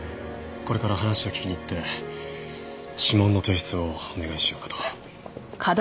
これから話を聞きに行って指紋の提出をお願いしようかと。